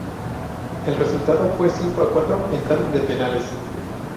El resultado fue cinco a cuatro, en tanda de penales.